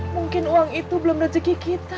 mungkin uang itu belum rezeki kita